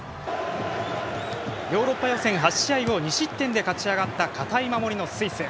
ヨーロッパ予選８試合を２失点で勝ち上がった堅い守りのスイス。